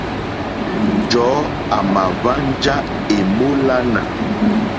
Njɔ̀ɔ́ àmà hwánjá èmólánà.